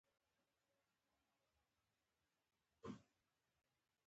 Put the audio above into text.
د بورې د تولید لپاره د ګنیو کروندو کې استخدام و.